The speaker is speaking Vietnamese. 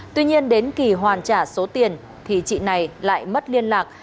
tuy nhiên đến kỳ hoàn trả số tiền thì chị này lại mất liên lạc